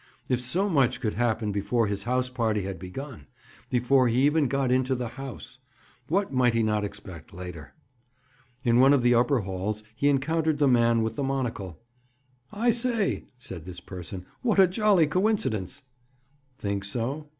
If so much could happen before his house party had begun—before he even got into the house—what might he not expect later? In one of the upper halls he encountered the man with the monocle. "I say!" said this person. "What a jolly coincidence!" "Think so?"